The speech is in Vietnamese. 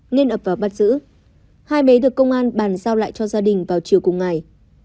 nên ập vào bắt giữ hai bé được công an bàn giao lại cho gia đình vào chiều cùng ngày